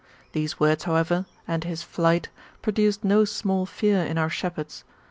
These words, however, and his flight, produced no small fear in our shepherds.